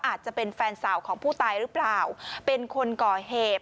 อาจจะเป็นแฟนสาวของผู้ตายหรือเปล่าเป็นคนก่อเหตุ